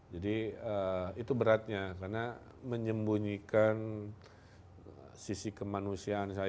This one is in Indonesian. jadi itu beratnya karena menyembunyikan sisi kemanusiaan saya